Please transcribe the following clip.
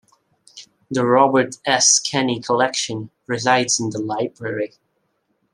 The Robert S. Kenny Collection resides in the library.